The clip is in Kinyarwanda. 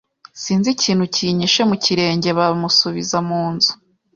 sinzi ikintu kinyishe mu kirenge Bamusubiza mu nzu